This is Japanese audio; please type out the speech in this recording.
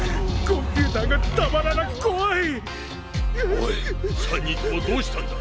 おい３人ともどうしたんだ！？